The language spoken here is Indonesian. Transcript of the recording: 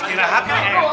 istirahat kan enak